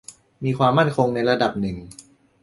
มีความมั่นคงในระดับหนึ่ง